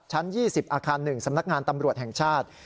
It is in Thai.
ชั้น๒๐อาคาร๑สำนักงานตำรวจแห่งชาติ